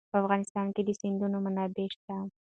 په افغانستان کې د سیندونه منابع شته.